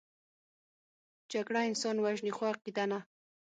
جګړه انسان وژني، خو عقیده نه